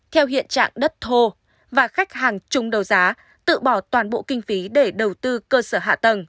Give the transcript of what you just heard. theo hiện trạng đất thô và khách hàng chung đầu giá tự bỏ toàn bộ kinh phí để đầu tư cơ sở hạ tầng